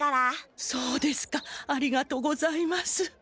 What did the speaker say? そうですかありがとうございます。